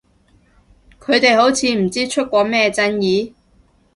佢哋好似唔知出過咩爭議？